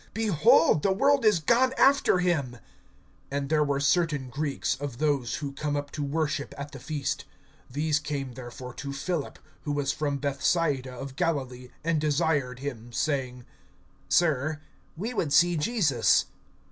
Behold, the world is gone after him. (20)And there were certain Greeks, of those who come up to worship at the feast. (21)These came therefore to Philip, who was from Bethsaida of Galilee, and desired him, saying: Sir, we would see Jesus.